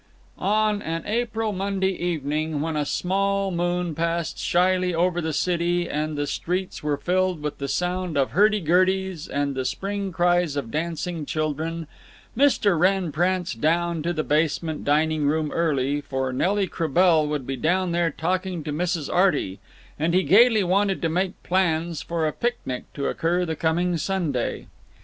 _ On an April Monday evening, when a small moon passed shyly over the city and the streets were filled with the sound of hurdy gurdies and the spring cries of dancing children, Mr. Wrenn pranced down to the basement dining room early, for Nelly Croubel would be down there talking to Mrs. Arty, and he gaily wanted to make plans for a picnic to occur the coming Sunday.